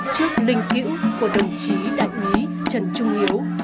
trước linh cữu của đồng chí đại úy trần trung hiếu